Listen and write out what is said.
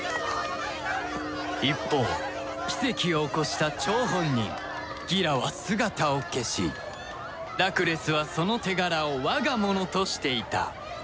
一方奇跡を起こした張本人ギラは姿を消しラクレスはその手柄を我が物としていた